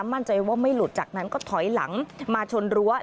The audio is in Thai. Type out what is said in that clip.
มั่นใจว่าไม่หลุดจากนั้นก็ถอยหลังมาชนรั้ว